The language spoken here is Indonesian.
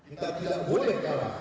kita tidak boleh kalah